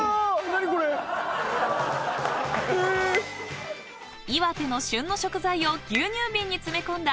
何これ⁉［岩手の旬の食材を牛乳瓶に詰め込んだ